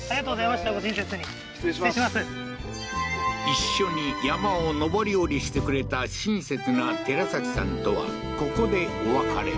一緒に山を上り下りしてくれた親切な寺崎さんとはここでお別れ